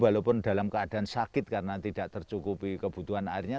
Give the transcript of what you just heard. walaupun dalam keadaan sakit karena tidak tercukupi kebutuhan airnya